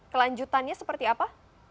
kelanjutannya seperti apa